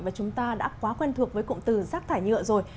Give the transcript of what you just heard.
và chúng ta đã quá quen thuộc với cụm từ rác thải nhựa rồi